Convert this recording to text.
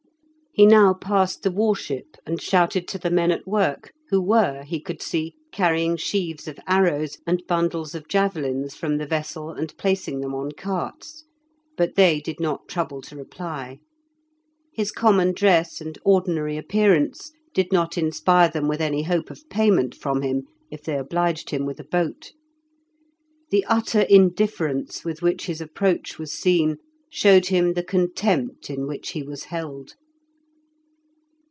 He now passed the war ship, and shouted to the men at work, who were, he could see, carrying sheaves of arrows and bundles of javelins from the vessel and placing them on carts; but they did not trouble to reply. His common dress and ordinary appearance did not inspire them with any hope of payment from him if they obliged him with a boat. The utter indifference with which his approach was seen showed him the contempt in which he was held.